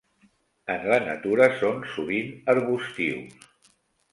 En la natura són sovint arbustius.